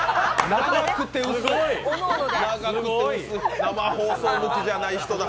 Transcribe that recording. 生放送向きじゃない人だ。